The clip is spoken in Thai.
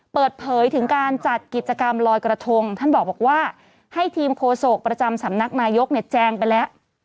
เปิดเผยถึงการจัดกิจกรรมลอยกระทงท่านบอกว่าให้ทีมโคศกประจำสำนักนายกเนี่ยแจงไปแล้ว